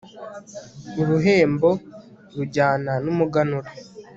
uruhembo rujyana n'umuganura